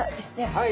はい。